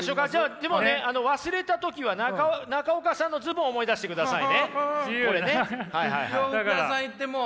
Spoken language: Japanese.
でもね忘れた時は中岡さんのズボン思い出してくださいねこれね。